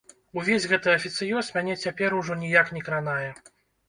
Увесь гэты афіцыёз мяне цяпер ужо ніяк не кранае.